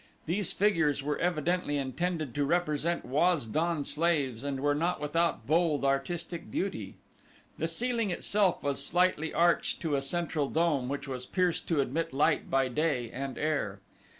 These figures were evidently intended to represent Waz don slaves and were not without bold artistic beauty. The ceiling itself was slightly arched to a central dome which was pierced to admit light by day, and air.